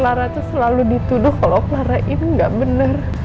clara tuh selalu dituduh kalau clara ini gak bener